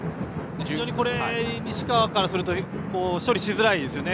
非常に西川からすると処理しづらいですよね。